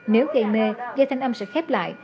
nếu gây mê dây thanh âm sẽ khép lại